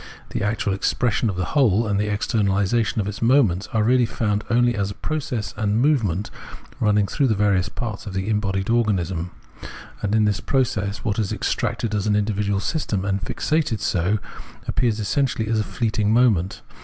The actual expression of the whole, and the externalisation of its moments are really found only as a process and a movement, running throughout the various parts of the embodied organism ; and in this process what is extracted as an individual system and fixated so, appears essentially as a fleeting moment.